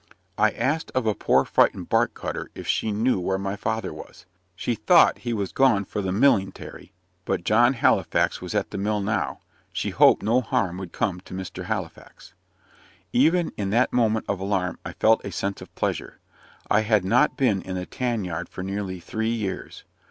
I asked of a poor frightened bark cutter if she knew where my father was? She thought he was gone for the "millingtary;" but Mr. Halifax was at the mill now she hoped no harm would come to Mr. Halifax. Even in that moment of alarm I felt a sense of pleasure. I had not been in the tan yard for nearly three years.